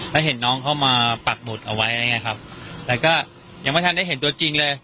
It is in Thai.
แล้วเห็นน้องเข้ามาปักบุตรเอาไว้อะไรอย่างเงี้ยครับแต่ก็ยังไม่ทันได้เห็นตัวจริงเลย